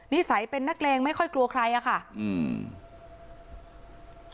นิสัยเป็นนักเลงไม่ค่อยกลัวใครอ่ะค่ะอืม